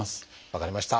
分かりました。